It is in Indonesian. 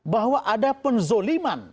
bahwa ada penzoliman